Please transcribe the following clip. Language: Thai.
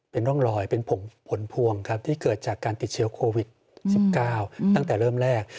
เป็นร่องรอยเป็นผลพวงครับที่เกิดจากการติดเชื้อโควิด๑๙ตั้งแต่เริ่มแรก